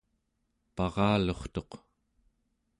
paralurtuq